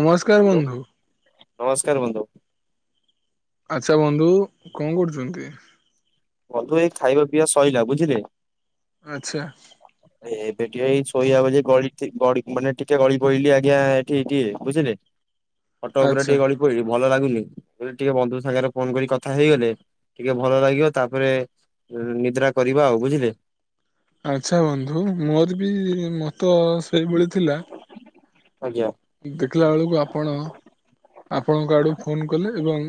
ନମସ୍କାର ହ୍ୟାଲୋ ବନ୍ଧୁ। ନମସ୍କାର ବନ୍ଧୁ। ଆଚ୍ଛା ବନ୍ଧୁ କଁ କରୁଛନ୍ତି? ବନ୍ଧୁ ଏଇ ଖାଇବା ପିଇବା ସଇଲା ବୁଝିଲେ। ଆଚ୍ଛା। [inaudible] ଏବେ ଟିକେ ଏଇ ଶୋଇବା ପାଇଁ ଯେ ଗାଳି ଠି ଗଡି ମାନେ ଟିକେ ଗଳି ପଇଲି ଆଜ୍ଞା ଏଠି [unintelligible] ବୁଝିଲେ। ଖଟ ଉପରେ ଆଚ୍ଛା ଟିକେ ଗଳି ପଇଲି ଭଲ ଲାଗୁନି କହିଲି ଟିକେ ବନ୍ଧୁ ସାଙ୍ଗେରେ ଫୋନ୍ କରି କଥା ହେଇଗଲେ ଟିକେ ଭଲ ଲାଗିବ। ତାପରେ ନିଦ୍ରା କରିବା ଆଉ ବୁଝିଲେ। ଆଚ୍ଛା ବନ୍ଧୁ ମୋରୋ ବି ମତ ସେଇଭଳି ଥିଲା। ଆଜ୍ଞା। ଦେଖିଲା ଆଳୁକୁ ଆପଣ ଆପଣଙ୍କ ଆଡୁ ଫୋନ୍ କଲେ ଏବଂ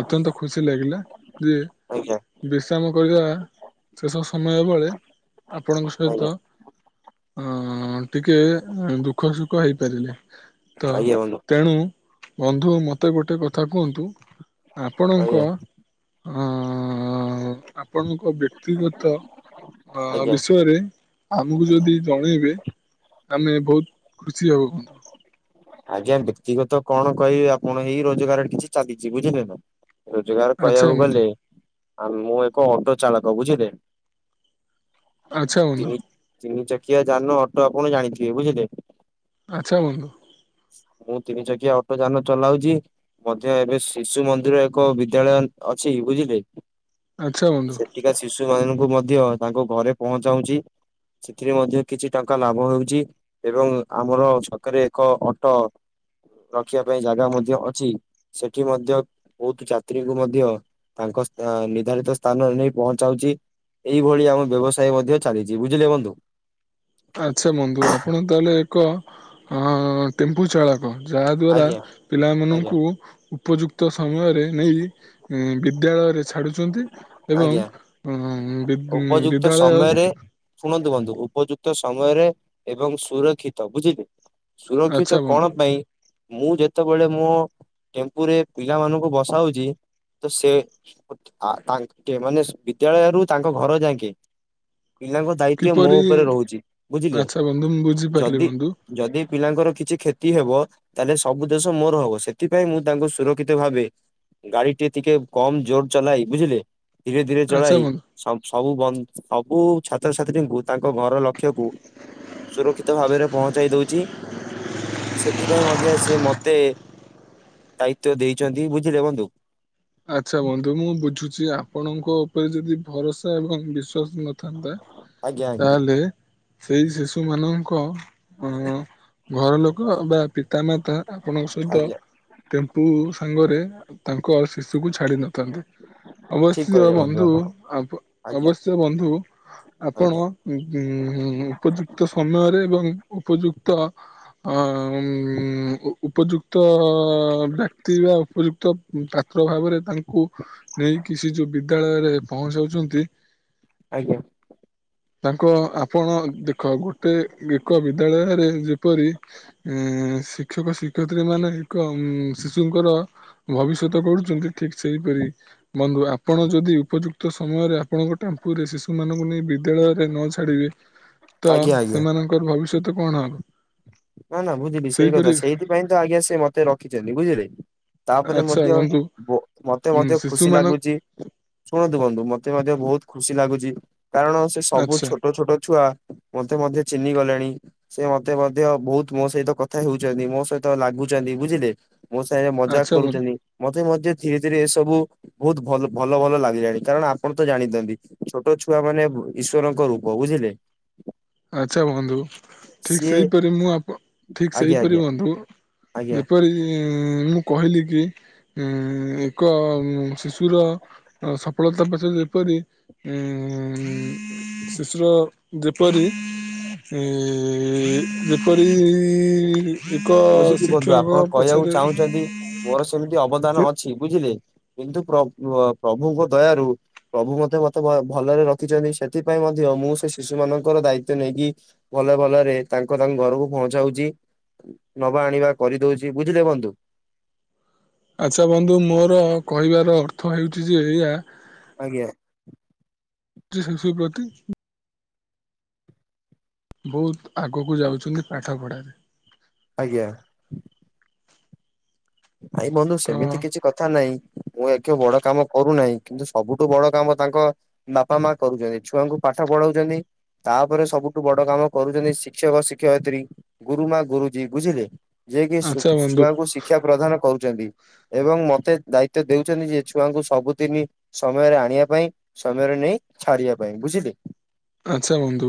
ଅତ୍ୟନ୍ତ ଖୁସି ଲାଗିଲା ଯେ ଆଜ୍ଞା ବିଶ୍ରାମ କରିବା ଶେଷ ସମୟ ବୋଳେ ଆପଣଙ୍କ ଆଜ୍ଞା ସହିତ ଅଁ ଟିକେ ଦୁଃଖ ସୁଖ ହେଇପାରିଲେ ତ ଆଜ୍ଞା ବନ୍ଧୁ ତେଣୁ ବନ୍ଧୁ ମୋତେ ଗୋଟେ କଥା କୁହନ୍ତୁ ଆଜ୍ଞା ଆପଣଙ୍କ [inaudible] ଅଁ ଆପଣଙ୍କ ବ୍ୟକ୍ତିଗତ ଅ ଆଜ୍ଞା। ବିଷୟରେ ଆମକୁ ଯଦି ଜଣେଇବେ ଆମେ ବହୁତ ଖୁସି ହେବ ବନ୍ଧୁ। ଆଜ୍ଞା ବ୍ୟକ୍ତିଗତ କଣ କହିବି ଆପଣ ଏଇ ରୋଜଗାରରେ କିଛି ଚାଲିଛି ବୁଝିଲେ ନା। ରୋଜଗାର ଆଚ୍ଛା କହିଆକୁ ବନ୍ଧୁ ଗଲେ ଆ ମୁଁ ଏକ ଅଟୋ ଚାଳକ ବୁଝିଲେ। ଆଚ୍ଛା ବନ୍ଧୁ ତିନି ତିନି ଚକିଆ ଯାନ ଅଟୋ ଆପଣ ଜାଣିଥିବେ ବୁଝିଲେ। ଆଚ୍ଛା ବନ୍ଧୁ। ମୁଁ ତିନି ଚକିଆ ଅଟୋ ଯାନ ଚଲାଉଛି। ମଧ୍ୟ ଏବେ ଶିଶୁ ମନ୍ଦିର ଏକ ବିଦ୍ୟାଳୟ ଅଛି ବୁଝିଲେ। ଆଚ୍ଛା ବନ୍ଧୁ। ଟିକା ଶିଶୁ ମାନଙ୍କୁ ମଧ୍ୟ ତାଙ୍କ ଘରେ ପହଞ୍ଚାଉଛି। ସେଥିରେ ମଧ୍ୟ କିଛି ଟଙ୍କା ଲାଭ ହେଉଛି ଏବଂ ଆମର ଛକରେ ଏକ ଅଟ ରଖିବା ପାଇଁ ଜାଗା ମଧ୍ୟ ଅଛି ସେଠି ମଧ୍ୟ ବହୁତ ଯାତ୍ରୀଙ୍କୁ ମଧ୍ୟ ତାଙ୍କ ସ୍ଥା ନିର୍ଦ୍ଧାରିତ ସ୍ଥାନରେ ନେଇ ପହଞ୍ଚାଉଛି। ଏଇଭଳି ଆମ ବ୍ୟବସାୟ ମଧ୍ୟ ଚାଲିଛି ବୁଝିଲେ ବନ୍ଧୁ। ଆଚ୍ଛା ବନ୍ଧୁ ଆପଣ ତାହେଲେ ଏକ ଅ ଟେମ୍ପୁ ଚାଳ। ଯାହାଦ୍ୱାରା ଆଜ୍ଞା ଆଜ୍ଞା ପିଲାମାନଙ୍କୁ ଉପଯୁକ୍ତ ସମୟରେ ନେଇ ଉ ବିଦ୍ୟାଳୟରେ ଛାଡ଼ୁଛନ୍ତି ଆଜ୍ଞା। ଏବଂ ଉ ବି ଉପଯୁକ୍ତ ବିଦ୍ୟାଳୟ ସମୟରେ ଶୁଣନ୍ତୁ ବନ୍ଧୁ ଉପଯୁକ୍ତ ସମୟରେ ଏବଂ ସୁରକ୍ଷିତ ବୁଝିଲେ। ଆଚ୍ଛା ସୁରକ୍ଷିତ ବନ୍ଧୁ କଣ ପାଇଁ ମୁଁ ଯେତେବେଳେ ମୋ ଟେମ୍ପୁରେ ପିଲାମାନଙ୍କୁ ବସାଉଛି ତ ସେ ଆ ତା ଙ୍କେମାନେ ବିଦ୍ୟାଳୟରୁୁ ତାଙ୍କ ଘର ଯାକେ ପିଲାଙ୍କ ଦାୟିତ୍ଵ ମୋ କିପରି ଉପରେ ରହୁଛି ବୁଝିଲେ ଆଚ୍ଛା ବନ୍ଧୁ ମୁଁ ବୁଝିପାରିଲି ଯଦି ବନ୍ଧୁ ଯଦି ପିଲାଙ୍କର କିଛି କ୍ଷତି ହେବ ତାହେଲେ ସବୁ ଦୋଷ ମୋର ହବ ସେଥିପାଇଁ ମୁଁ ତାଙ୍କୁ ସୁରକ୍ଷିତ ଭାବେ ଗାଡି ଟି ଟିକେ କମ ଜୋର ଚଲାଇ ବୁଝିଲେ ଧୀରେ ଧୀରେ ଆଚ୍ଛା ଚଳାଇ ବନ୍ଧୁ ସମ୍ ସବୁ ବ ସବୁ ଛାତ୍ରଛାତ୍ରୀଙ୍କୁ ତାଙ୍କ ଘର ଲକ୍ଷ୍ୟକୁ ସୁରକ୍ଷିତ ଭାବରେ ପହଞ୍ଚାଇ ଦଉଛି। ସେଥିପାଇଁ ମଧ୍ୟ ସେ ମତେ ଦାୟିତ୍ଵ ଦେଇଛନ୍ତି ବୁଝିଲେ ବନ୍ଧୁ। ଆଚ୍ଛା ବନ୍ଧୁ ମୁଁ ବୁଝୁଛି ଆପଣଙ୍କ ଉପରେ ଯଦି ଭରସା ଏବଂ ବିଶ୍ୱାସ ନଥାନ୍ତା ଅଜ୍ଞା ଆ ତାହେଲେ ସେଇ ଶିଶୁ ମାନଙ୍କ ଅ ଘର ଲୋକ ବା ପିତାମାତା ଆପଣଙ୍କ ସହିତ ଆଜ୍ଞା ଟେମ୍ପୁ ସାଙ୍ଗରେ ତାଙ୍କ ଶିଶୁକୁ ଛାଡି ନଥାନ୍ତି। ଠିକ ଅବଶ୍ୟ କହିଲେ ବନ୍ଧୁ ଆପଣ ବନ୍ଧୁଆବ ଆଜ୍ଞା ଅବଶ୍ୟ ବନ୍ଧୁ ଆପଣ ଆଜ୍ଞା ଉ ଉପଯୁକ୍ତ ସମୟରେ ଏବଂ ଉପଯୁକ୍ତ ଅ ଉ ଉ ଉପଯୁକ୍ତ ବ୍ୟକ୍ତି ବା ଉପଯୁକ୍ତ ତା ଭାବରେ ତାଙ୍କୁ ନେଇକି ସେ ଯୋଉ ବିଦ୍ୟାଳୟରେ ପହଞ୍ଚାଉଛନ୍ତି। ଆଜ୍ଞା। ତାଙ୍କ ଆପଣ ଦେଖ ଗୋଟେ ବିକ ବିଦ୍ୟାଳୟରେ ଯେପରି ଏ ଶିକ୍ଷକ ଶିକ୍ଷୟତ୍ରୀ ମାନେ ଏକ ଉ ଶିଶୁଙ୍କର ଭବିଷ୍ୟତ କଣ? କିନ୍ତୁ ଠିକ୍ ସେଇପରି ବନ୍ଧୁ ଆପଣ ଯଦି ଉପଯୁକ୍ତ ସମୟରେ ଆପଣଙ୍କ ଟେମ୍ପୁ ରେ ଶିଶୁମାନଙ୍କୁ ନେଇ ବି ତେଳରେ ଖାଲି ନ ଛାଡିକି ତ ଆଜ୍ଞା ଆଜ୍ଞା। ସେମାନଙ୍କର ଭବିଷ୍ୟତ କଣ ହବ? ନା ନା ବୁଝିଲି ସେଇ କଥା ସେହିପରି ସେଇଥିପାଇଁ ତ ଆଜ୍ଞା ସେ ମତେ ରଖିଛନ୍ତି ବୁଝିଲେ। ତାପରେ ଆଚ୍ଛା ମଧ୍ୟ ବନ୍ଧୁ ବୋ ମତେ ଉଁ, ମଧ୍ୟ ଖୁସି ଶିଶୁମାନ ଲାଗୁଛି। ଶୁଣନ୍ତୁ ବନ୍ଧୁ ମତେ ମଧ୍ୟ ବହୁତ ଖୁସି ଲାଗୁଛି କାରଣ ସେ ସବୁ ଆଚ୍ଛା ଛୋଟ ଛୋଟ ଛୁଆ ମତେ ମଧ୍ୟ ଚିହ୍ନି ଗଲେଣି ସେ ମତେ ମଧ୍ୟ ବହୁତ ମୋ ସହିତ କଥା ହେଉଛନ୍ତି ମୋ ସହିତ ଲାଗୁଛନ୍ତି ବୁଝିଲେ ମୋ ସାଙ୍ଗେ ରେ ମଜାକ୍ ଆଚ୍ଛା ବନ୍ଧୁ କରୁଛନ୍ତି। ମତେ ମଧ୍ୟ ଧୀରେ ଧୀରେ ଏସବୁ ବହୁତ ଭଲ ଭଲ ଭଲ ଲାଗିଲାଣି କାରଣ ଆପଣ ତ ଜାଣିଥାନ୍ତି। ଛୋଟ ଛୁଆ ମାନେ ଇଶ୍ୱରଙ୍କ ରୂପ ବୁଝିଲେ। ଆଚ୍ଛା ବନ୍ଧୁ, ଠିକ ସିଏ ସେହିପରି ମୁଁ ଆପ ଠିକ ଆଜ୍ଞା ସେହିପରି ଆଜ୍ଞା ବନ୍ଧୁ ଆଜ୍ଞା। ଏକ କହିକି ମୁଁ କହିଲି କି ଉଁ ଏକ ଶିଶୁର ସଫଳତା ପଛରେ ଯେପରି ଉଁ ଶିଶୁର ଯେ ପରି ଇ ଯେପରି ଏକ ବୁଝିଲି ବନ୍ଧୁ ଶିକ୍ଷକ ଆପଣ କହିବାକୁ ପଛରେ ଚାହୁଁଛନ୍ତି ମୋର ସେମିତି ଅବଦାନ ଅଛି ବୁଝିଲେ, କିନ୍ତୁ ପ୍ର-ପ୍ରଭୁଙ୍କ ଦୟାରୁ ପ୍ରଭୁ ମତେ ମତେ ଭଲରେ ରଖିଛନ୍ତି, ସେଥିପାଇଁ ମଧ୍ୟ ମୁଁ ସେ ଶିଶୁ ମାନଙ୍କର ଦାୟିତ୍ଵ ନେଇକି ଭଲ ଭଲରେ ତାଙ୍କ ତାଙ୍କ ଘରକୁ ପହଞ୍ଚାଉଚି। ନବା ଆଣିବା କରିଦଉଚି ବୁଝିଲେ ବନ୍ଧୁ। ଆଚ୍ଛା ବନ୍ଧୁ ମୋର କହିବାର ଅର୍ଥ ହେଉଚି ଯେ ଏଇଆ ଆଜ୍ଞା। ଯେ ଶିଶୁ ପ୍ରତି ବହୁତ ଆଗୁକୁ ଯାଉଛନ୍ତି ପାଠପଢ଼ାରେ। ଆଜ୍ଞା। [unintelligible] ଇ ବନ୍ଧୁ ତ ସେମିତି କିଛି କଥା ନାଇଁ ମୁଁ ଏକ ବଡ କାମ କରୁନାହିଁ, କିନ୍ତୁ ସବୁଠୁ ବଡ କାମ ତାଙ୍କ ବାପା ମା କରୁଚନ୍ତି, ଛୁଆଙ୍କୁ ପାଠ ପଢଉଚନ୍ତି। ତାପରେ ସବୁଠୁ ବଡ କାମ କରୁଚନ୍ତି ଶିକ୍ଷକ ଶିକ୍ଷୟିତ୍ରୀ। ଗୁରୁମା ଗୁରୁଜୀ ବୁଝିଲେ, ଯିଏ କିି ଶୁ ଆଚ୍ଛା ବନ୍ଧୁ ଛୁଆଙ୍କୁ ଶିକ୍ଷା ପ୍ରଦାନ କରୁଚନ୍ତି। ଏବଂ ମତେ ଦାୟିତ୍ଵ ଦେଉଛନ୍ତି ଯେ ଛୁଆଙ୍କୁ ସବୁଦିନି ସମୟରେ ଆଣିଆ ପାଇଁ। ସମୟରେ ନେଇ ଛାଡିବା ପାଇଁ ବୁଝିଲେ, ଆଚ୍ଛା ବନ୍ଧୁ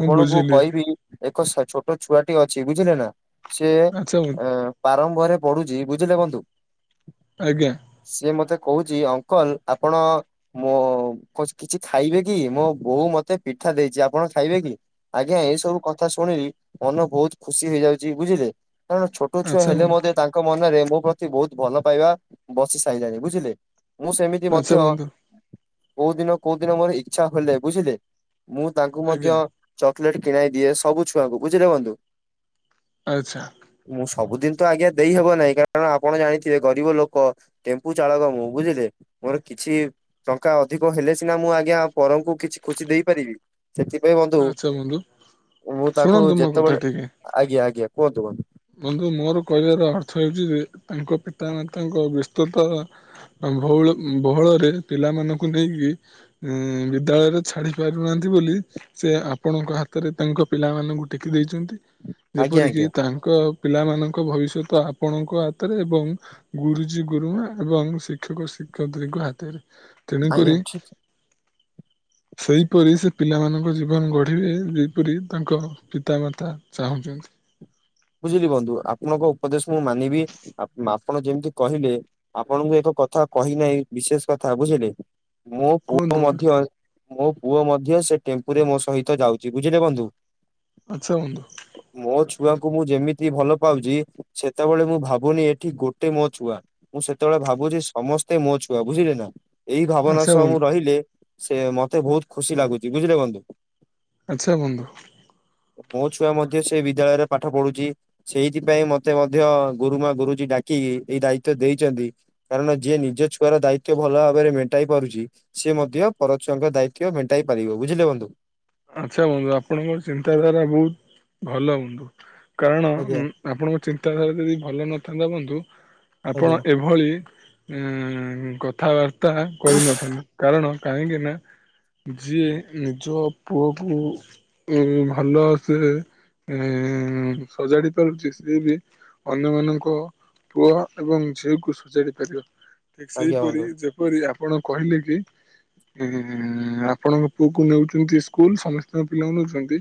ମୁଁ ବୁଝିଲି କହିବି ଏକ ସ ଛୋଟ ଛୁଆଟିଏ ଅଛି ବୁଝିଲେ ନା, ସିଏ ଆଚ୍ଛା ବନ୍ଧୁ ଏ ପ୍ରାରମ୍ଭରେ ପଢୁଚି ବୁଝିଲେ ବନ୍ଧୁ। ଆଜ୍ଞା। ସିଏ ମତେ କହୁଚି ଅଙ୍କଲ ଆପଣ ମୋ କହୁଚି କିଛି ଖାଇବେ କି, ମୋ ବୋଉ ମତେ ପିଠା ଦେଇଚି ଆପଣ ଖାଇବେ କି? ଆଜ୍ଞା ଏଇ ସବୁ କଥା ଶୁଣି ମନ ବହୁତ ଖୁସି ହେଇଯାଉଚି ବୁଝିଲେ, କାରଣ ଛୋ ଟ ଛୁଆ ଆଚ୍ଛା ହେଲେ ବନ୍ଧୁ ମଧ୍ୟ ତାଙ୍କ ମନରେ ମୋ ପ୍ରତି ବହୁତ ଭଲ ପାଇବା ବସି ସାଇଲାଣି ବୁଝିଲେ। ମୁଁ ସେମିତି ମଧ୍ୟ ଆଚ୍ଛା ବନ୍ଧୁ କୋଉଦିନ କୋଉଦିନ ମୋର ଇଛା ହେଲେ ବୁଝିଲେ, ମୁଁ ତାଙ୍କୁ ମଧ୍ୟ ଆଜ୍ଞା ଚକଲେଟ କିଣାଇ ଦିଏ ସବୁ ଛୁଆଙ୍କୁ ବୁଝିଲେ ବନ୍ଧୁ। ଆଚ୍ଛା। ମୁଁ ସବୁଦିନ ତ ଆଜ୍ଞା ଦେଇହବ ନାହିଁ କାରଣ ଆପଣ ଜାଣିଥିବେ ଗରିବ ଲୋକ ଟେମ୍ପୁ ଚାଳକ ମୁଁ ବୁଝିଲେ। ମୋର କିଛି ଟଙ୍କା ଅଧିକ ହେଲେ ସିନା ମୁଁ ଆଜ୍ଞା ପରଙ୍କୁ କିଛି ଖୁସି ଦେଇପାରିବି। ସେଥିପାଇଁ ବନ୍ଧୁ ଆଚ୍ଛା ବନ୍ଧୁ ମୁଁ ତାଙ୍କୁ ଶୁଣନ୍ତୁ ମୋ କଥା ଯେତେବେଳେ ଟିକେ ଆଜ୍ଞା ଆଜ୍ଞା। କୁହନ୍ତୁ ବନ୍ଧୁ? ବନ୍ଧୁ ମୋର କହିବାର ଅର୍ଥ ହେଉଚି ଯେ, ତାଙ୍କ ପିତାମାତାଙ୍କ ବ୍ୟସ୍ତତା ବହୁଳ ବହୁଳରେ ପିଲାମାନଙ୍କୁ ନେଇକି ଉଁ ବିଦ୍ୟାଳୟରେ ଛାଡି ପାରୁନାହାଁନ୍ତି ବୋଲି ସେ ଆପଣଙ୍କ ହାତରେ ତାଙ୍କ ପିଲାମାନଙ୍କୁ ଟେକି ଦେଇଛନ୍ତି, ଆଜ୍ଞା ଯେପରିକି ଆଜ୍ଞା ତା ଙ୍କ ପିଲାମାନଙ୍କ ଭବିଷ୍ୟତ ଆପଣଙ୍କ ହାତରେ, ଏବଂ ଗୁରୁଜୀ ଗୁରୁମା ଏବଂ ଶିକ୍ଷକ ଶିକ୍ଷୟତ୍ରୀଙ୍କ ହାତରେ। ଆଜ୍ଞା ତେଣୁକରି ଠିକ ସେହିପରି ସେ ପିଲାମାନଙ୍କ ଜୀବନ ଗଢିବେ, ଯେପରି ତାଙ୍କ ପିତାମାତା ଚାହୁଁଛନ୍ତି। ବୁଝିଲି ବନ୍ଧୁ, ଆପଣଙ୍କ ଉପଦେଶ ମୁଁ ମାନିବି ଆପ-ଆପଣ ଯେମିତି କହିଲେ ଆପଣଙ୍କୁ ଏକ କଥା କହିନାହିଁ ବିଶେଷ କଥା ବୁଝିଲେ, ମୋ କୁହନ୍ତୁ ପୁଅ ବନ୍ଧୁ ମଧ୍ୟ ମୋ ପୁଅ ମଧ୍ୟ ସେ ଟେମ୍ପୁରେ ମୋ ସହିତ ଯାଉଚି ବୁଝିଲେ ବନ୍ଧୁ। ଆଚ୍ଛା ବନ୍ଧୁ। ମୋ ଛୁଆ କୁ ମୁଁ ଯେମିତି ଭଲ ପାଉଚି, ସେତେବେଳେ ମୁଁ ଭାବୁନି ଏଠି ଗୋଟେ ମୋ ଛୁଆ। ମୁଁ ସେତେବେଳେ ଭାବୁଛି ସମସ୍ତେ ମୋ ଛୁଆ ବୁଝିଲେ ନା ଏଇ ଭାବନା ଆଚ୍ଛା ସହ ମୁଁ ବନ୍ଧୁ ରହିଲେ ସେ ମତେ ବହୁତ ଖୁସି ଲାଗୁଛି ବୁଝିଲେ ବନ୍ଧୁ ଆଚ୍ଛା ବନ୍ଧୁ ମୋ ଛୁଆ ମଧ୍ୟ ସେଇ ବିଦ୍ୟାଳୟରେ ପାଠ ପଢୁଛି ସେଇଥିପାଇଁ ମତେ ମଧ୍ୟ ଗୁରୁମା ଗୁରୁଜୀ ଡାକିକି ଏଇ ଦାୟିତ୍ୱ ଦେଇଛନ୍ତି କାରଣ ଯିଏ ନିଜ ଛୁଆର ଦାୟିତ୍ବ ଭଲ ଭାବରେ ମେଣ୍ଟାଇ ପାରୁଛି। ସି ମଧ୍ୟ ପରଛୁଆଙ୍କ ଦାୟିତ୍ୱ ମେଣ୍ଟାଇ ପାରିବ ବୁଝିଲେ ବନ୍ଧୁ। ଆଚ୍ଛା ବନ୍ଧୁ ଆପଣଙ୍କ ଚିନ୍ତାଧାରା ବହୁତ ଭଲ ବନ୍ଧୁ କାରଣ ଆଜ୍ଞା ଆପଣଙ୍କ ଚିନ୍ତାଧାରା ଯଦି ଭଲ ନଥାନ୍ତା ବନ୍ତୁ ଆଜ୍ଞା ଆପଣ ଏଭଳି ଉ କଥାବାର୍ତ୍ତା କରିନଥାନ୍ତି କାରଣ କାହିଁକି ନା ଯିଏ ନିଜ ପୁଅକୁ ଉ ଭଲ ସେ ସଜାଡି ପାରୁଛି ସିଏ ବି ଅନ୍ୟମାନଙ୍କ ପୁଅ ଏବଂ ଝିଅକୁ ସଜାଡି ପାରିବ ଠିକ ଆଜ୍ଞା ସେହିପରି ବନ୍ଧୁ କିପରି ଆପଣ କହିଲେ କି ଆପଣଙ୍କ ପୁଅକୁ ନେଉଛନ୍ତି ସ୍କୁଲ ସମସ୍ତଙ୍କ ପିଲାମାନେ ନଉଛନ୍ତି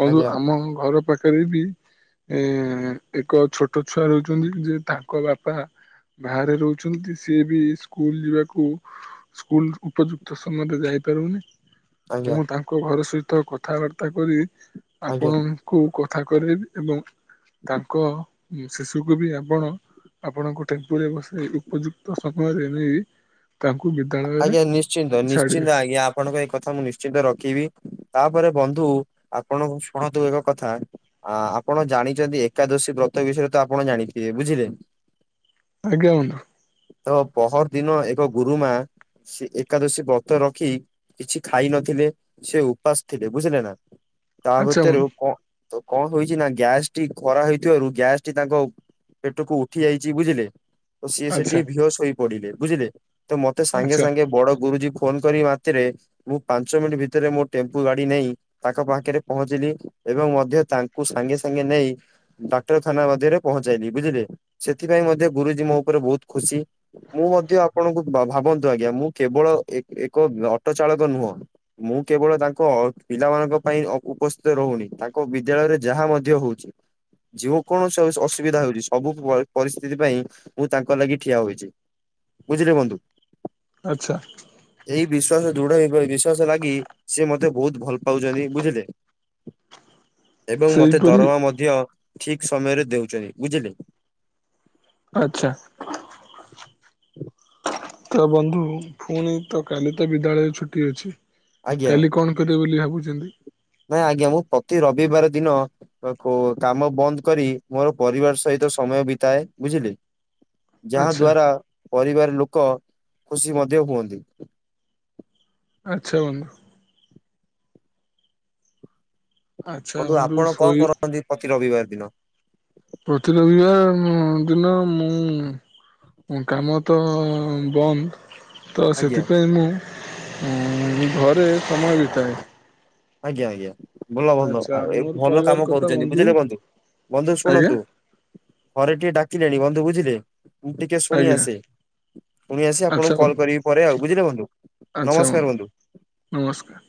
ବନ୍ଧୁ ଆଜ୍ଞା ଆମ ଘର ପାଖରେ ବି ଏ ଏକ ଛୋଟ ଛୁଆ ରହୁଛନ୍ତି ଯେ ତାଙ୍କ ବାପା ବାହାରେ ରହୁଛନ୍ତି ସି ବି ସ୍କୁଲ ଯିବାକୁ ସ୍କୁଲ ଉପଯୁକ୍ତ ସମୟରେ ଯାଇପାରୁନି ଆଜ୍ଞା ମୁଁ ତାଙ୍କ ଘର ସହିତ କଥାବାର୍ତ୍ତା କରି ଆଜ୍ଞା। ଆପଣ କୁ କଥା କି ଏବଂ ତାଙ୍କ ଶିଶୁକୁ ବି ଆପଣ ଆପଣଙ୍କ ଟେମ୍ପୁ ବ୍ୟବସାୟ ଉପଯୁକ୍ତ ସମୟରେ ନେଇ ତାଙ୍କୁ ବିଦାୟ ଆଜ୍ଞା ନିଶ୍ଚିନ୍ତ ନିଶ୍ଚିନ୍ତ ଆଜ୍ଞା ଆପଣଙ୍କ ଏଇ କଥା ମୁଁ ନିଶ୍ଚିନ୍ତ ରଖିବି ତାପରେ ବନ୍ଧୁ ଆପଣ ଶୁଣନ୍ତୁ ଏକ କଥା ଆ ଆପଣ ଜାଣିଛନ୍ତି ଏକାଦଶୀ ବ୍ରତ ବିଷୟରେ ତ ଆପଣ ଜାଣିଥିବେ ବୁଝିଲେ ଆଜ୍ଞା ବନ୍ଧୁ। ତ ପହର ଦିନ ଏକ ଗୁରୁମା ସେ ଏକାଦଶୀ ବ୍ରତ ରଖି-ୂ କିଛି ଖାଇ ନଥିଲେ ସେ ଉପାସ ଥିଲେ ବୁଝିଲେ ନା ତା ଆଚ୍ଛା ଭିତରୁ ବନ୍ଧୁ ତ କଣ ହେଉଛି ନା ଗ୍ୟାସ ଟି ଖରା ହେଇଥିବାରୁ ଗ୍ୟାସ ଟି ତାଙ୍କ ପେଟକୁ ଉଠି ଯାଇଛି ବୁଝିଲେ ତ ସିଏ ସେଠି ଆଚ୍ଛା ବିିହସଇ ପଡିଲେ ବୁଝିଲେ ତ ମତେ ସାଙ୍ଗେ ଆଚ୍ଛା ସାଙ୍ଗେ ବଡ ଗୁରୁଜୀ ଫୋନ କରି ମତିରେ ମୁଁ ପାଞ୍ଚ ମିନିଟ୍ ଭିତରେ ମୋ ଟେମ୍ପୁ ଗାଡି ନେଇ ତାଙ୍କ ପାଖରେ ପହଞ୍ଚିଲି ଏବଂ ମଧ୍ୟ ତାଙ୍କୁ ସାଙ୍ଗେ ସାଙ୍ଗେ ନେଇ ଡାକ୍ତରଖାନା ମଧ୍ୟରେ ପହଞ୍ଚେଇଲି ବୁଝିଲେ ସେଥିପାଇଁ ମଧ୍ୟ ଗୁରୁଜୀ ମୋ ଉପରେ ବହୁତ ଖୁସି ମୁଁ ମଧ୍ୟ ଆପଣଙ୍କୁ ଭାବନ୍ତୁ ଆଜ୍ଞା ମୁଁ କେବଳ ଏକ ଅଟୋ ଚାଳକ ନୁହଁ ମୁଁ କେବଳ ତାଙ୍କ ପିଲାମାନଙ୍କ ପାଇଁ ଉପସ୍ଥିତ ରହୁନି ତାଙ୍କ ବିଦ୍ୟାଳୟରେ ଯାହା ମଧ୍ୟ ହଉଛି ଯଉ କୌଣସି ଅସୁବିଧା ହଉଛି ସବୁ ପରିସ୍ଥିତି ପାଇଁ ମୁଁ ତାଙ୍କ ଲାଗି ଠିଆ ହୋଇଛି ବୁଝିଲେ ବନ୍ଧୁ। ଆଚ୍ଛା। ଏଇ ବିଶ୍ୱାସ ଦୃଢ ହେଇ ବିଶ୍ୱାସ ଲାଗି ସେି ମତେ ବହୁତ ଭଲ ପାଉଛନ୍ତି ବୁଝିଲେ ଏବଂ ମତେ ସେଇପରି ଦରମା ମଧ୍ୟ ଠିକ ସମୟରେ ଦେଉଛନ୍ତି ବୁଝିଲେ। ଆଚ୍ଛା। ତ ବନ୍ଧୁ ପୁଣି ତ କାଲି ତ ବିଦ୍ୟାଳୟରେ ଛୁଟି ଅଛି ଆଜ୍ଞା କାଲି କଣ କେଦେ ବୋଲିଲି ଭାବୁଛନ୍ତିଛନ୍ତି। ନାଇଁ ଆଜ୍ଞା ମୁଁ ପ୍ରତି ରବିବାର ଦିନ କାମ ବନ୍ଦ କରି ମୋର ପରିବାର ସହିତ ସମୟ ବିତାଏ ବୁଝିଲି। ଯାହା ଆଚ୍ଛା ଦଵାରା ପରିବାର ଲୋକ ଖୁସି ମଧ୍ୟ ହୁଅନ୍ତି। ଆଚ୍ଛା ବନ୍ଧୁ। ଆଚ୍ଛା ବନ୍ଧୁ ଆପଣ କଣ ଶୋଇ କରନ୍ତି ପ୍ରତି ରବିବାର ଦିନ। ପ୍ରତି ରହିବା ଦିନ ମୁଁ! କାମ ତ ବନ୍ଦ। ତ ଆଜ୍ଞା। ସେଥିପାଇଁ ମୁଁ ଘରେ ସମୟ ବିତାଏ। ଆଜ୍ଞା ଆଜ୍ଞା। ଭଲ ଭଲ ଆଚ୍ଛା ଆଉ ଏ ମୋର ଭଲ କାମ କହିବାର କଥା କରୁଛନ୍ତି ବୁଝିଲେ ବନ୍ଧୁ ବନ୍ଧୁ ଆଜ୍ଞା ଶୁଣନ୍ତୁ। ଘରେ କିଏ ଡାକିଲେଣି ବନ୍ଧୁ ବୁଝିଲେ ମୁଁ ଟିକେ ଶୁଣି ଆଜ୍ଞା ଆସେ। ପୁଣି ଆସି ଆପଣଙ୍କୁ ଆଚ୍ଛା କଲ୍ ବନ୍ଧୁ କରିବି ପରେ ଆଉ ବୁଝିଲେ ବନ୍ଧୁ ନମସ୍କାର ବନ୍ଧୁ। ନମସ୍କାର।